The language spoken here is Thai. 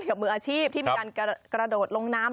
กับมืออาชีพที่มีการกระโดดลงน้ำ